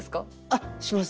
あっします。